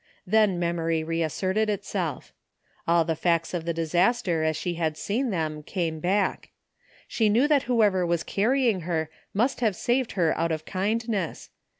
Then memory reasserted itself. All the facts of the disaster as she had seen them, came back. She knew that who ever was carrying her must have saved her out of kind ness.